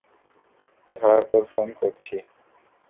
ধরার পর ফোন করছি।